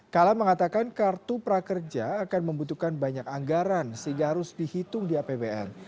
kala mengatakan kartu prakerja akan membutuhkan banyak anggaran sehingga harus dihitung di apbn